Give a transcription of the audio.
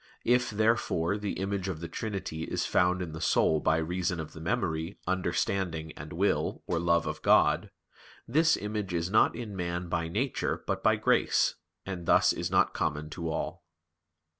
If, therefore, the image of the Trinity is found in the soul by reason of the memory, understanding, and will or love of God, this image is not in man by nature but by grace, and thus is not common to all.